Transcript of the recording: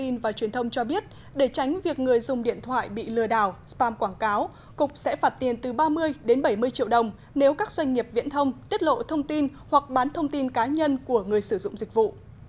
nếu người dùng điện thoại bị lừa đảo spam quảng cáo cục sẽ phạt tiền từ ba mươi đến bảy mươi triệu đồng nếu các doanh nghiệp viễn thông tiết lộ thông tin hoặc bán thông tin cá nhân của người sử dụng dịch vụ